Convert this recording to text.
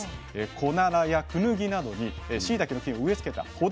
コナラやクヌギなどにしいたけの菌を植え付けたほだ